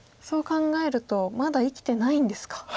そう考えるとまだ生きてないんですか。